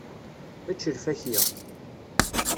Ečč lfakya.